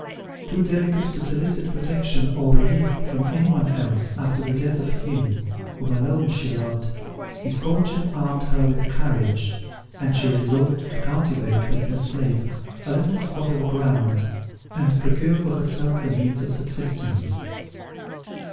Too delicate to solicit protection or relief from any one else after the death of him whom alone she loved, misfortune armed her with courage, and she resolved to cultivate, with her slave, a little spot of ground, and procure for herself the means of subsistence.